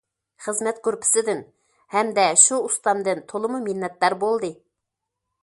خىزمەت گۇرۇپپىسىدىن ھەمدە شۇ ئۇستامدىن تولىمۇ مىننەتدار بولدى.